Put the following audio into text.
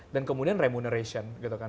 dan kemudian remuneration gitu kan